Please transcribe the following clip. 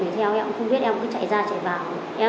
vào thì em muốn thấy mọi người chụp hình thức sóc đĩa